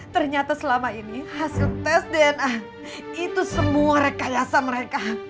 ternyata selama ini hasil tes dna itu semua rekayasa mereka